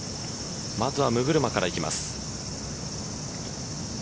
まずは六車からいきます。